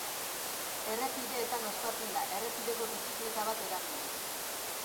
Errepideetan ospatzen da errepideko bizikleta bat erabiliz.